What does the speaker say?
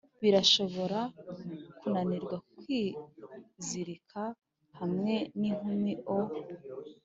birashobora kunanirwa kwizirika hamwe ninkumi o